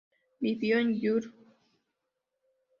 Vivió en el Jr.